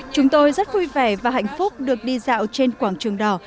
chúng tôi rất vui vẻ và hạnh phúc được đi dạo trên quảng trường đỏ